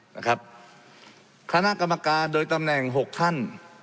นะครับคณะกรรมการโดยตำแหน่งหกท่าน